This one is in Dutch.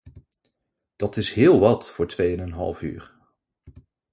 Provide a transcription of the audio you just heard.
Dat is heel wat voor twee en een half uur.